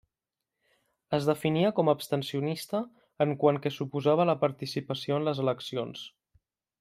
Es definia com abstencionista en quant que s'oposava a la participació en les eleccions.